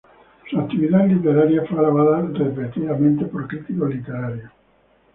Su actividad literaria fue alabada repetidamente por críticos literarios.